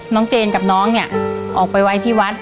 น้องเจนกับน้องออกไปไว้ที่วัด